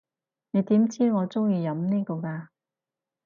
你點知我中意飲呢個㗎？